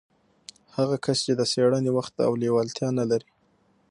هغه کس چې د څېړنې وخت او لېوالتيا نه لري.